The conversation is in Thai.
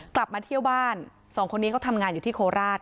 กลับมาเที่ยวบ้านสองคนนี้เขาทำงานอยู่ที่โคราช